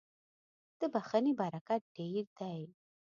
• د بښنې برکت ډېر دی.